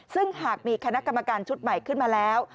ซึ่งหากมีคณะกรรมการชุดใหม่ขึ้นมาแล้ว